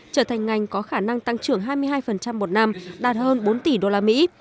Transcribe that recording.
trở thành ngành có khả năng tăng trưởng hai mươi hai một năm đạt hơn bốn tỷ usd